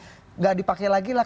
tidak dipakai lagi lah